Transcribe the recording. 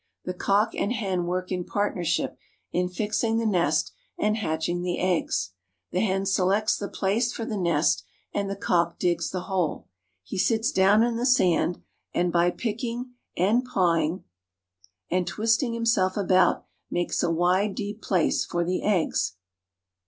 The cock and hen work in partnership in fixing the nest and hatching the eggs. The hen selects the place for the nest, and the cock digs the hole. He sits down in the sand, and by A VISIT TO AN OSTRICH f'ARM I picking and pawing and twisting himself about makes a wide, deep place for the eggs.